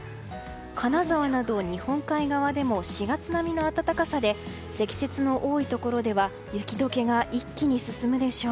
金沢など日本海側でも４月並みの暖かさで積雪の多いところでは雪解けが一気に進むでしょう。